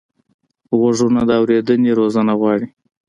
غوږونه د اورېدنې روزنه غواړي